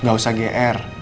nggak usah gr